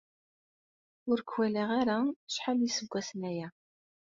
Ur k-walaɣ ara acḥal iseggasen aya.